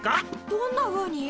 どんなふうに？